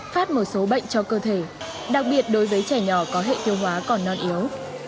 phát một số bệnh cho cơ thể đặc biệt đối với trẻ nhỏ có hệ tiêu hóa còn non yếu